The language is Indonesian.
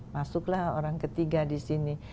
masuklah orang ketiga di sini